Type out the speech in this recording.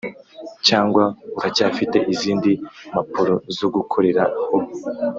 cyangwa uracyafite izindi mapuro zo gukorera ho?